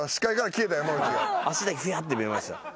足だけヒャッて見えました。